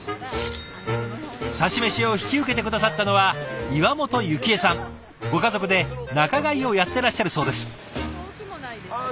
さし飯を引き受けて下さったのはご家族で仲買をやってらっしゃるそうです。